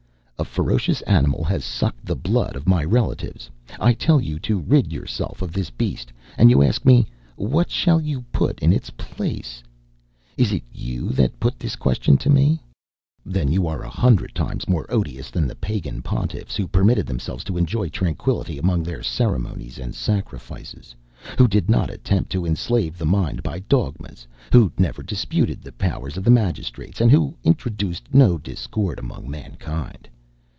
A ferocious animal has sucked the blood of my relatives. I tell you to rid yourselves of this beast, and you ask me what you shall put in its place! Is it you that put this question to me? Then you are a hundred times more odious than the Pagan Pontiffs, who permitted themselves to enjoy tranquillity among their ceremonies and sacrifices, who did not attempt to enslave the mind by dogmas, who never disputed the powers of the magistrates, and who introduced no discord among mankind.